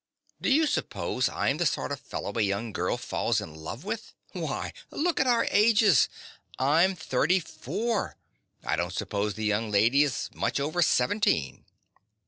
Do you suppose I am the sort of fellow a young girl falls in love with? Why, look at our ages! I'm thirty four: I don't suppose the young lady is much over seventeen.